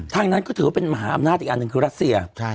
ทางนั้นก็ถือว่าเป็นมหาอำนาจอีกอันหนึ่งคือรัสเซีย